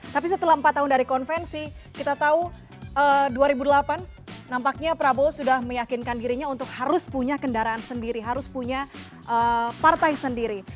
tapi setelah empat tahun dari konvensi kita tahu dua ribu delapan nampaknya prabowo sudah meyakinkan dirinya untuk harus punya kendaraan sendiri harus punya partai sendiri